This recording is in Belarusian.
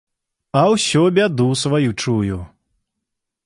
А ўсё бяду сваю чую!